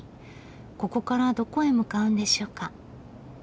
ここからどこへ向かうんでしょうか？